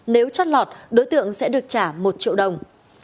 nếu chót lọt đối tượng sẽ được trả một triệu đồng